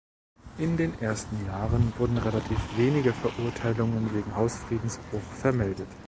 In den ersten Jahren wurden relativ wenige Verurteilungen wegen Hausfriedensbruch vermeldet.